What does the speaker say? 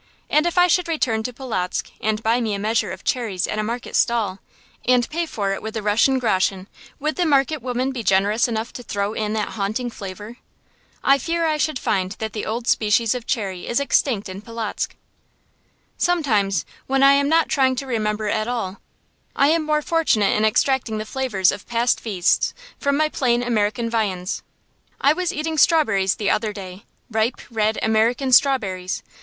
And if I should return to Polotzk, and buy me a measure of cherries at a market stall, and pay for it with a Russian groschen, would the market woman be generous enough to throw in that haunting flavor? I fear I should find that the old species of cherry is extinct in Polotzk. Sometimes, when I am not trying to remember at all, I am more fortunate in extracting the flavors of past feasts from my plain American viands. I was eating strawberries the other day, ripe, red American strawberries.